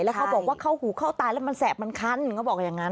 แล้วเขาบอกว่าเข้าหูเข้าตาแล้วมันแสบมันคันเขาบอกอย่างนั้น